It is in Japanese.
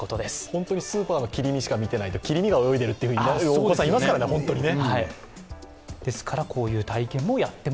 本当にスーパーの切り身しか見ていないと、切り身が泳いでるとなるお子さん、本当にいますからね。